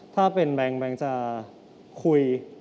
ถ้าเป็นแบงค์แบงค์จะคุย